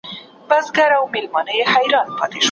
روسي مامور ته د هېټلر نوم ډېر منفور ښکارېده.